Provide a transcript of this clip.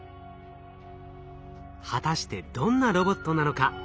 果たしてどんなロボットなのか？